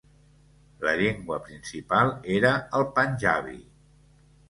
La llengua principal era el panjabi.